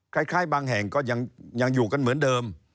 คล้ายบางแห่งก็ยังอยู่กันเหมือนเดิม